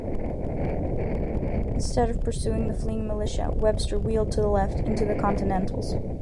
Instead of pursuing the fleeing militia, Webster wheeled to the left, into the Continentals.